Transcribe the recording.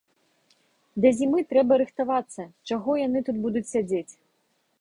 Да зімы трэба рыхтавацца, чаго яны тут будуць сядзець?